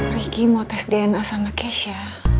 riki mau tes dna sama keisha